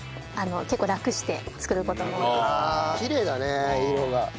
きれいだね色が。